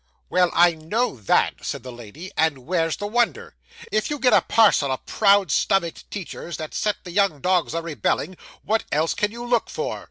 'Well, I know that,' said the lady, 'and where's the wonder? If you get a parcel of proud stomached teachers that set the young dogs a rebelling, what else can you look for?